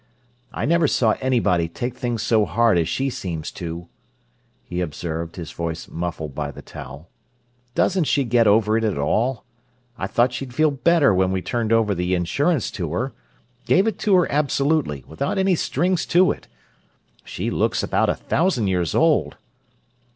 "I never saw anybody take things so hard as she seems to," he observed, his voice muffled by the towel. "Doesn't she get over it at all? I thought she'd feel better when we turned over the insurance to her—gave it to her absolutely, without any strings to it. She looks about a thousand years old!"